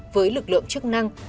với lực lượng chức năng